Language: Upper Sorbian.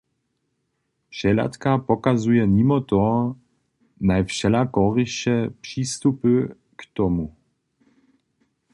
Přehladka pokazuje nimo toho najwšelakoriše přistupy k tomu.